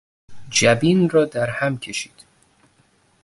جبین را در هم کشید.